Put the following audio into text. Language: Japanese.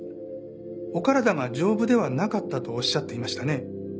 お体が丈夫ではなかったとおっしゃっていましたね。